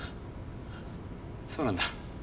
そうなんだ。